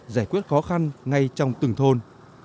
giải quyết khó khăn ngay trong từng thôn